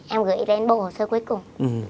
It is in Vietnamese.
em gửi đến bộ hồ sơ cuối cùng